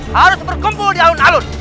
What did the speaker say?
harus berkumpul di alun alun